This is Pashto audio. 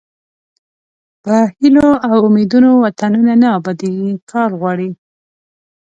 په هیلو او امیدونو وطنونه نه ابادیږي کار غواړي.